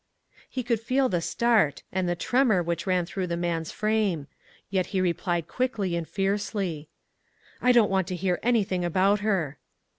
He could feel the start, and the tremor which ran through the man's frame; yet he replied quickly and fiercely: " I don't want to hear anything about her."